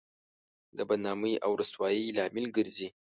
د بدنامۍ او رسوایۍ لامل ګرځي.